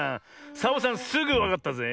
サボさんすぐわかったぜ。